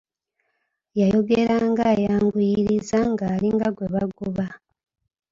Yayogeranga ayanguyiriza ng'alinga gwe bagoba.